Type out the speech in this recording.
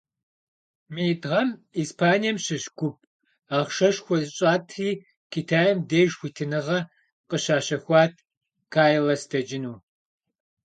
Минитӏ гъэм Испанием щыщ гуп ахъшэшхуэ щӀатри Китайм деж хуитыныгъэ къыщащэхуат Кайлас дэкӀыну.